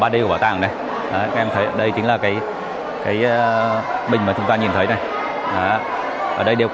đúng rồi đúng rồi